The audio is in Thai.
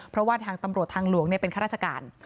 เพราะว่าทางตำรวจทางหลวงเป็นข้าราชการ